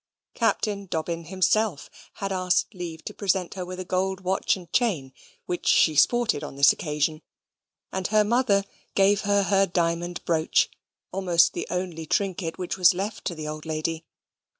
Captain Dobbin himself had asked leave to present her with a gold chain and watch, which she sported on this occasion; and her mother gave her her diamond brooch almost the only trinket which was left to the old lady.